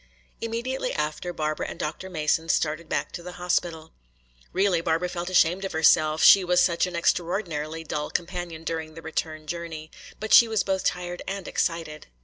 Immediately after Barbara and Dr. Mason started back to the hospital. Really, Barbara felt ashamed of herself, she was such an extraordinarily dull companion during the return journey. But she was both tired and excited.